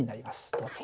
どうぞ。